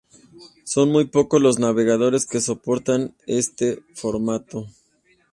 Son muy pocos los navegadores que soportan este formato.